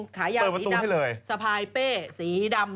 เติบประตูให้เลยขายางสีดำสะพายเป้สีดำ